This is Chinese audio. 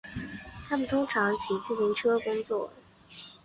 他们通常骑自行车工作。